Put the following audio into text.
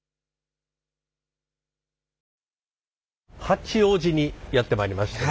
八王子にやって参りまして。